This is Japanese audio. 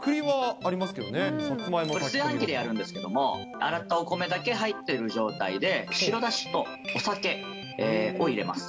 そうですね、さつまいも、炊き込炊飯器でやるんですけれども、洗ったお米だけ入ってる状態で、白だしとお酒を入れます。